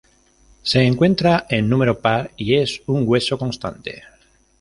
Se encuentra en número par y es un hueso constante.